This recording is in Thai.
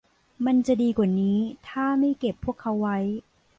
มันจะดีกว่านี้ถ้าไม่เก็บพวกเขาไว้